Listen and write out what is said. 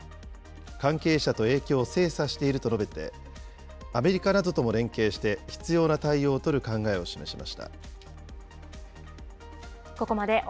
関係者と影響を精査していると述べて、アメリカなどとも連携して必要な対応を取る考えを示しました。